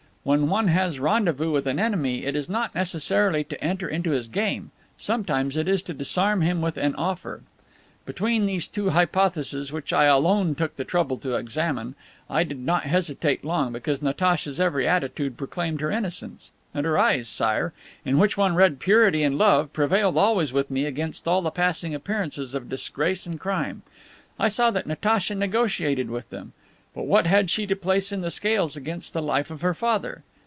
When one has rendezvous with an enemy it is not necessarily to enter into his game, sometimes it is to disarm him with an offer. Between these two hypotheses, which I alone took the trouble to examine, I did not hesitate long, because Natacha's every attitude proclaimed her innocence: and her eyes, Sire, in which one read purity and love, prevailed always with me against all the passing appearances of disgrace and crime. "I saw that Natacha negotiated with them. But what had she to place in the scales against the life of her father?